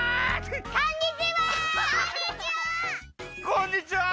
こんにちは！